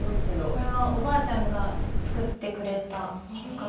これは、おばあちゃんが作ってくれた浴衣。